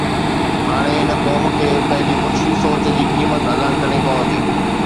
ھاڻي ھن قوم کي پنھنجي ٻچڙي سوچ جي قيمت ادا ڪرڻي پوندي.